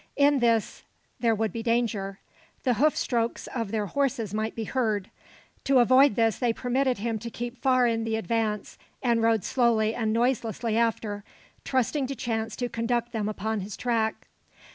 In this there would be danger. The hoof strokes of their horses might be heard. To avoid this they permitted him to keep far in the advance, and rode slowly and noiselessly after, trusting to chance to conduct them upon his track.